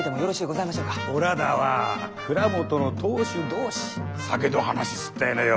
おらだは蔵元の当主同士酒の話すったいのよ。